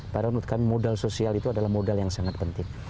padahal menurut kami modal sosial itu adalah modal yang sangat penting